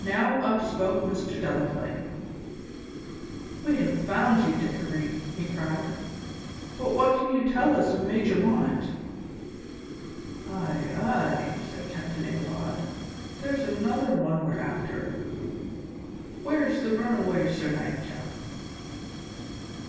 Now up spoke Mr. Delaplaine. "We have found you, Dickory," he cried, "but what can you tell us of Major Bonnet?" "Ay, ay," added Captain Ichabod, "there's another one we're after; where's the runaway Sir Nightcap?"